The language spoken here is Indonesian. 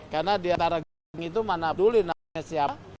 karena diantara itu mana dulu namanya siapa